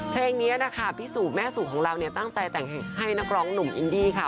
เพลงนี้นะคะพี่สู่แม่สู่ของเราเนี่ยตั้งใจแต่งให้นักร้องหนุ่มอินดี้ค่ะ